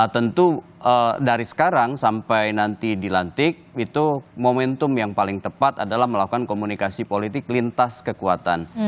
tentu dari sekarang sampai nanti dilantik itu momentum yang paling tepat adalah melakukan komunikasi politik lintas kekuatan